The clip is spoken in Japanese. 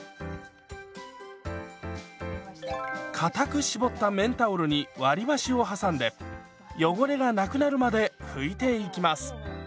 かたく絞った綿タオルに割り箸を挟んで汚れがなくなるまで拭いていきます。